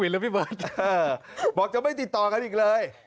แล้วพี่เบิร์ตบอกจะไม่ติดต่อกันอีกเลย